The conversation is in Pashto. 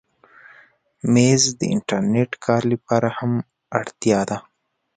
مېز د انټرنېټ کار لپاره هم اړتیا ده.